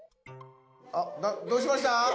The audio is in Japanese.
あっどうしました？ハハハ！